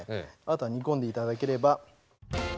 あとは煮込んで頂ければ。